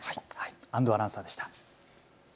安藤アナウンサーでした。